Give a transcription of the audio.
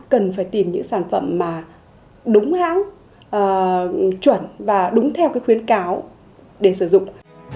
cần phải tìm những sản phẩm mà đúng hãng chuẩn và đúng theo cái khuyến cáo để sử dụng